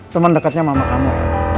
temen deketnya mama kamu